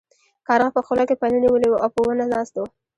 کارغه په خوله کې پنیر نیولی و او په ونه ناست و.